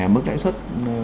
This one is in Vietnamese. mức lãi suất